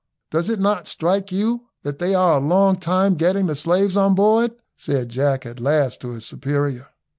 "Does it not strike you that they are a long time getting the slaves on board?" said Jack at last to his superior.